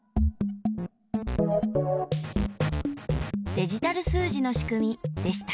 デジタル数字のしくみでした。